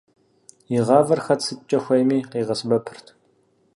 И гъавэр хэт сыткӏэ хуейми къигъэсэбэпырт.